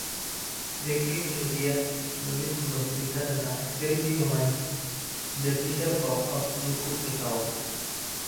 Becke kemudian menulis sebuah cerita tentang ekspedisi memancing: "The Fisher Folk Of Nukufetau".